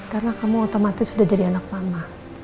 karena kamu otomatis sudah jadi anak mama